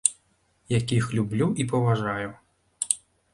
Якіх люблю і паважаю.